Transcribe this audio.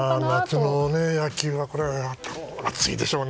夏の野球は、暑いでしょうね。